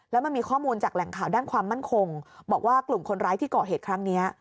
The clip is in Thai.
และมีข้อมูลด้านความมั่นคงบอกว่ากลุ่มคนร้ายที่เกาะเหตุครั้งนี้